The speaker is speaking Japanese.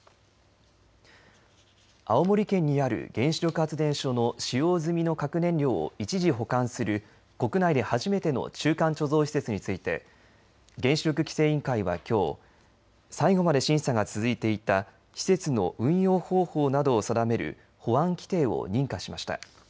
青森県にある原子力発電所の使用済みの核燃料を一時保管する国内で初めての中間貯蔵施設について原子力規制委員会はきょう最後まで審査が続いていた施設の運用方法などを定める保安規定を認可しました。